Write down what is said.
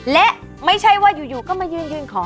และไม่ใช่ว่าอยู่ก็มายืนยืนขอ